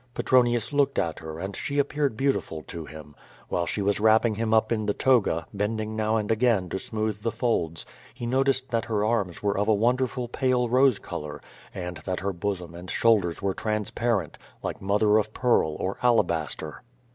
Petronius looked at her and she appeared beautiful to him. While she was wrapping him up in the toga, bending now and again to smooth the folds, he noticed that her arms were of a wonderful pale rose color, and that her bosom and shoulders were transparent, like mother of pearl or alabaster.